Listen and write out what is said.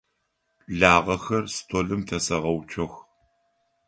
Лагъэхэр столым тесэгъэуцох.